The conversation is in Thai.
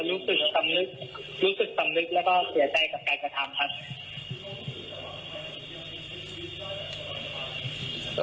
รู้สึกสำนึกรู้สึกสำนึกแล้วก็เสียใจกับการกระทำครับ